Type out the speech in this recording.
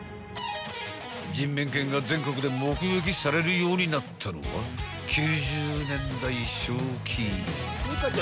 ［人面犬が全国で目撃されるようになったのは９０年代初期］